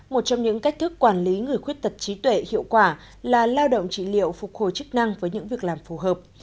một trong những cách thức quản lý người khuyết tật trí tuệ hiệu quả là lao động trí liệu phục hồi chức năng với những việc làm phù hợp